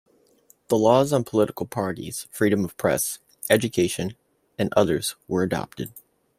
The laws on political parties, freedom of press, education and others were adopted.